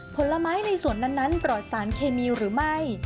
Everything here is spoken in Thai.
ผลไม้ในส่วนนั้นปลอดสารเคมีหรือไม่